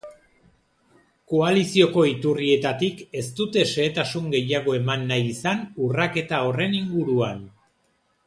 Koalizioko iturrietatik ez dute xehetasun gehiago eman nahi izan urraketa horren inguruan.